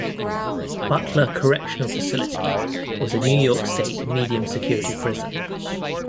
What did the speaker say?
Butler Correctional Facility was a New York State medium security prison.